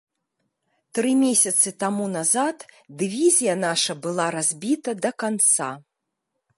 Тры месяцы таму назад дывізія наша была разбіта да канца.